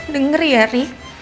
denger ya rick